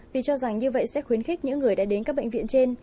vì cho rằng như vậy sẽ khuyến khích những người đã đến các bệnh viện trên